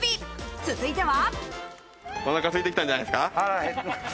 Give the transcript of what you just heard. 続いては。